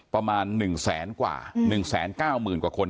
ประมาณ๑แสนกว่า๑แสนก้าวหมื่นกว่าคน